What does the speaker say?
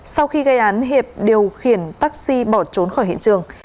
sau khi gây án hiệp điều khiển taxi bỏ trốn khỏi hiện trường